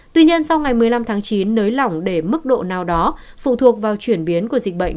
tuy nhiên sau ngày một mươi năm tháng chín nới lỏng để mức độ nào đó phụ thuộc vào chuyển biến của dịch bệnh